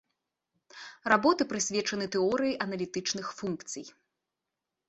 Работы прысвечаны тэорыі аналітычных функцый.